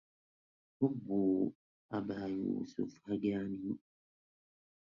هبوا أبا يوسف هجاني